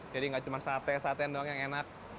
jadi gak cuma sate sate doang yang enak